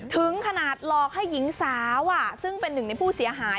ถึงขนาดหลอกให้หญิงสาวซึ่งเป็นหนึ่งในผู้เสียหาย